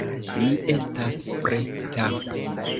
Mi estas preta